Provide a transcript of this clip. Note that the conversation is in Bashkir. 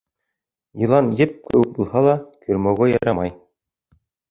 Йылан еп кеүек булһа ла, көрмәүгә ярамай.